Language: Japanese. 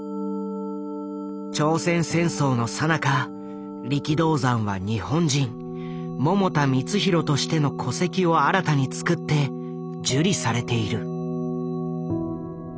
朝鮮戦争のさなか力道山は日本人百田光浩としての戸籍を新たに作って受理されている。